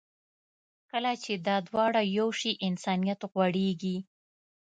کله چې دا دواړه یو شي، انسانیت غوړېږي.